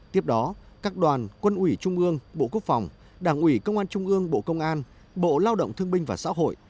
tiếp đó các đoàn quân ủy trung ương bộ quốc phòng đảng ủy công an trung ương bộ công an bộ lao động thương binh và xã hội